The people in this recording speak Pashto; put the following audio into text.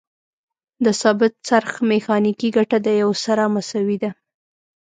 د ثابت څرخ میخانیکي ګټه د یو سره مساوي ده.